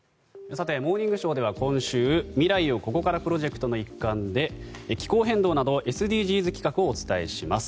さて「モーニングショー」では今週未来をここからプロジェクトの一環で気候変動などＳＤＧｓ企画をお伝えします。